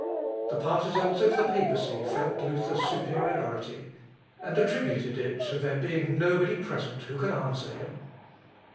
The partisans of the papacy felt Luther's superiority, and attributed it to there being nobody present who could answer him.